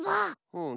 うん。